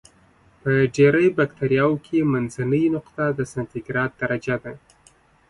په ډېری بکټریاوو کې منځنۍ نقطه د سانتي ګراد درجه ده.